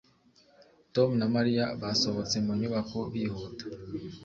Tom na Mariya basohotse mu nyubako bihuta